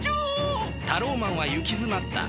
タローマンはゆきづまった。